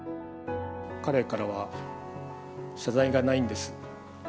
彼からは謝罪がないんです。